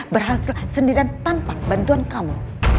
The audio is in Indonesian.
berhasil sendiri dan tanpa bantuan kamu